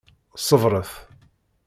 Ṣebṛet!